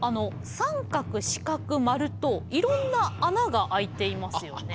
三角四角丸といろんな穴が開いていますよね？